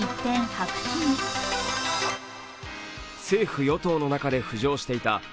政府・与党の中で浮上していた